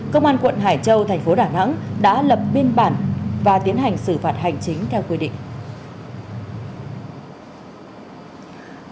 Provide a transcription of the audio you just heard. công an quận hải châu thành phố đà nẵng đã lập biên bản và tiến hành xử phạt hành chính theo quy định